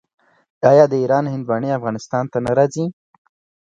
آیا د ایران هندواڼې افغانستان ته نه راځي؟